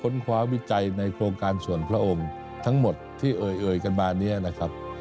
คว้าวิจัยในโครงการส่วนพระองค์ทั้งหมดที่เอ่ยกันมาเนี่ยนะครับ